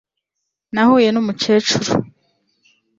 Nahuye numukecuru